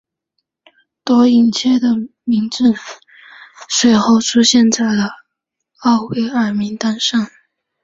多伊彻的名字随后出现在了奥威尔名单上。